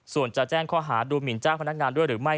ส่วนจะแจ้งข้อหาดูหมินเจ้าพนักงานด้วยหรือไม่